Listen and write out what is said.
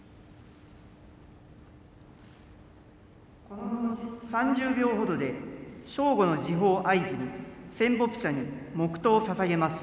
この後、３０秒程で正午の時報を合図に戦没者に黙とうをささげます。